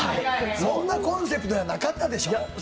そんなコンセプトやなかったでしょ？